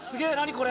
これ。